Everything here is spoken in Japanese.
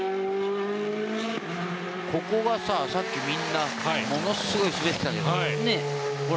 ここが、さっきみんなものすごく滑ってたじゃない。